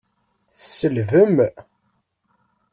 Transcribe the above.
Tselbem!